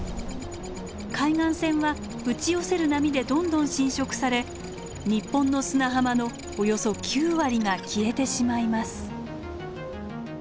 海岸線は打ち寄せる波でどんどん浸食され日本の砂浜のおよそ９割が消えてしまいます。